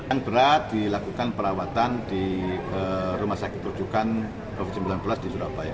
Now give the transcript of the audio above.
yang berat dilakukan perawatan di rumah sakit rujukan covid sembilan belas di surabaya